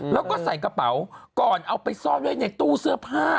แล้วก็ใส่กระเป๋าก่อนเอาไปซ่อนไว้ในตู้เสื้อผ้า